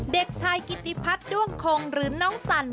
เด็กชายกิติพัฒน์ด้วงคงหรือน้องสัน